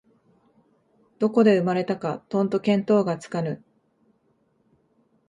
どこで生まれたかとんと見当がつかぬ